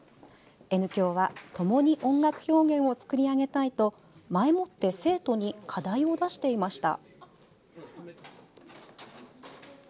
Ｎ響は、ともに音楽表現を作り上げたいと前もって生徒に課題を出していました。